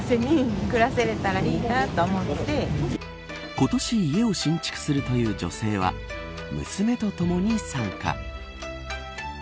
今年家を新築するという女性は娘とともに参加。